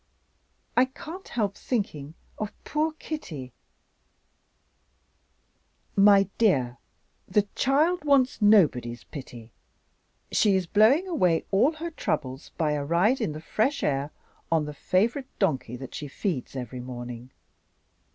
"I can't help thinking of poor Kitty." "My dear, the child wants nobody's pity. She's blowing away all her troubles by a ride in the fresh air, on the favorite donkey that she feeds every morning.